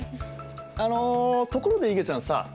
あのところでいげちゃんさ